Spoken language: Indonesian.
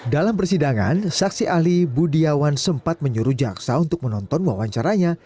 dalam persidangan saksi ahli budiawan sempat menyuruh jaksa untuk menonton wawancaranya